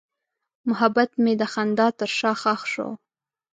محبت مې د خندا تر شا ښخ شو.